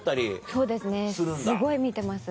そうですねすごい見てます。